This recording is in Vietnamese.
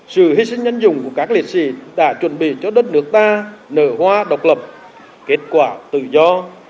sự hy sinh nhân dùng của các liệt sĩ đã chuẩn bị cho đất nước ta nở hoa độc lập kết quả tự do